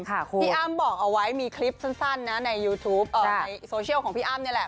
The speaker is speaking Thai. พี่อ้ำบอกเอาไว้มีคลิปสั้นนะในยูทูปในโซเชียลของพี่อ้ำนี่แหละ